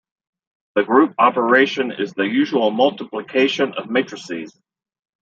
The group operation is the usual multiplication of matrices.